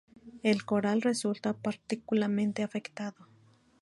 El coral resulta particularmente afectado.